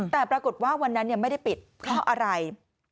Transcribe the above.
แต่ปรากฏว่าวันนั้นเนี่ยไม่ได้ปิดท่ออะไร